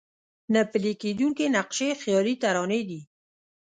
نه پلي کېدونکي نقشې خيالي ترانې دي.